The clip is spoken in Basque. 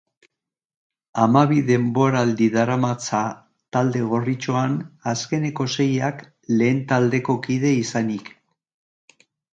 Hamabi denboraldi daramatza talde gorritxoan, azkeneko seiak lehen taldeko kide izanik.